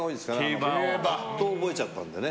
ＰＡＴを覚えちゃったんでね。